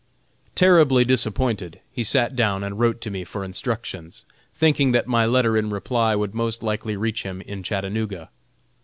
Terribly disappointed, he sat down and wrote to me for instructions, thinking that my letter in reply would most likely reach him in Chattanooga.